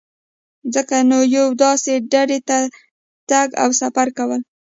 ځکه نو یوې داسې ډډې ته تګ او سفر کول.